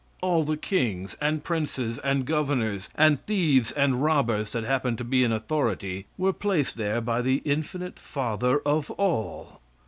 All the kings, and princes, and governors, and thieves and robbers that happened to be in authority were placed there by the infinite father of all!